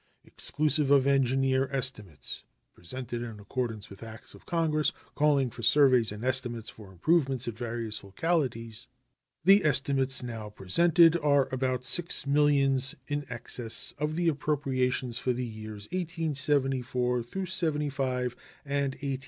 Exclusive of engineer estimates (presented in accordance with acts of Congress calling for surveys and estimates for improvements at various localities), the estimates now presented are about six millions in excess of the appropriations for the years 1874 75 and 1875 76.